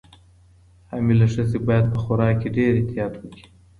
حامله ښځې باید په خوراک کې ډېر احتیاط وکړي.